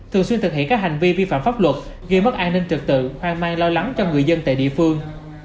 thường xuyên thực hiện các hành vi vi phạm pháp luật gây mất an ninh trực tự hoang mang lo lắng cho người dân tại địa phương